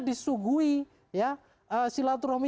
disugui ya silaturahmi